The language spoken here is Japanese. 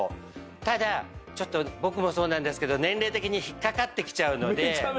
ただちょっと僕もそうなんですけど年齢的に引っかかってきちゃうので。